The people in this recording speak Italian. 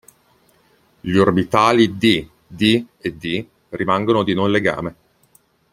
Gli orbitali "d", "d" e "d" rimangono di non legame.